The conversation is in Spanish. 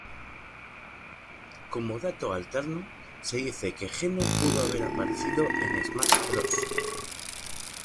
Como dato alterno, se dice que Geno pudo haber aparecido en Smash Bros.